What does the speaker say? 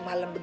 eh mau gak